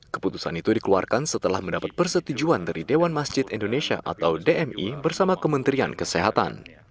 keputusan itu dikeluarkan setelah mendapat persetujuan dari dewan masjid indonesia atau dmi bersama kementerian kesehatan